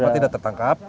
kenapa tidak tertangkap